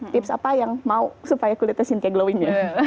tips apa yang mau supaya kulitnya sincah glowing ya